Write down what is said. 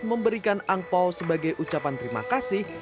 memberikan angpao sebagai ucapan terima kasih